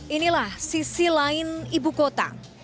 inilah sisi lain ibu kota